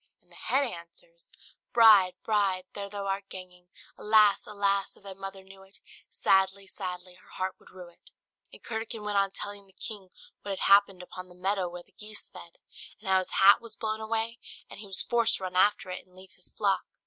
'" and the head answers "'Bride, bride, there thou art ganging! Alas! alas! if thy mother knew it, Sadly, sadly her heart would rue it.'" And Curdken went on telling the king what had happened upon the meadow where the geese fed; and how his hat was blown away, and he was forced to run after it, and leave his flock.